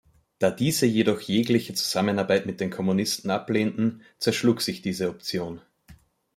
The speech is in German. Da diese jedoch jegliche Zusammenarbeit mit den Kommunisten ablehnten, zerschlug sich diese Option.